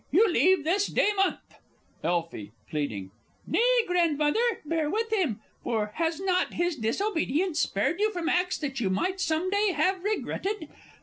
You leave this day month! Elfie (pleading). Nay, Grandmother, bear with him, for has not his disobedience spared you from acts that you might some day have regretted?...